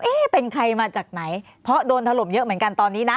เป็นใครมาจากไหนเพราะโดนถล่มเยอะเหมือนกันตอนนี้นะ